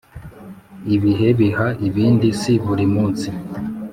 Ibihe biha ibindi si buri munsi